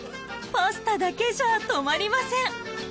パスタだけじゃ止まりません